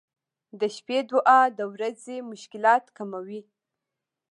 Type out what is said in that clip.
• د شپې دعا د ورځې مشکلات کموي.